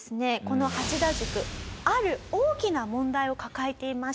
この八田塾ある大きな問題を抱えていました。